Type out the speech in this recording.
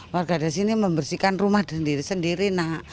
warga di sini membersihkan rumah sendiri sendiri nak